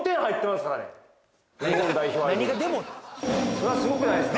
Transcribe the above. それはすごくないですか？